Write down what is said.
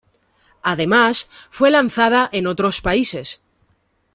Además, fue lanzada en otros países.